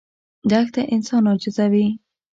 دښته انسان عاجزوي.